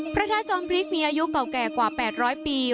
พระธาตุจอมพริกมีอายุเก่าแก่กว่า๘๐๐ปี